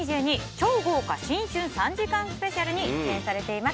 超豪華新春３時間スペシャル」に出演されています。